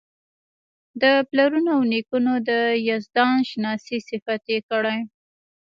د پلرونو او نیکونو د یزدان شناسۍ صفت یې کړی.